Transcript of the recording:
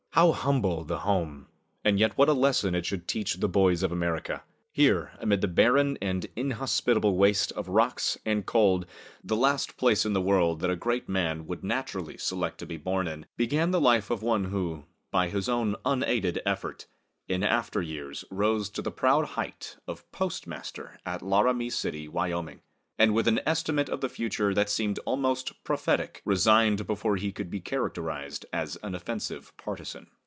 How humble the home, and yet what a lesson it should teach the boys of America! Here, amid the barren and inhospitable waste of rocks and cold, the last place in the world that a great man would naturally select to be born in, began the life of one who, by his own unaided effort, in after years rose to the proud height of postmaster at Laramie City, Wy. T., and with an estimate of the future that seemed almost prophetic, resigned before he could be characterized as an offensive partisan.